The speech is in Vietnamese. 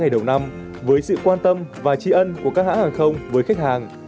đều nằm với sự quan tâm và tri ân của các hãng hàng không với khách hàng